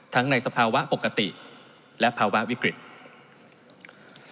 ในสภาวะปกติและภาวะวิกฤต